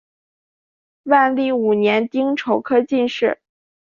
万历五年丁丑科进士。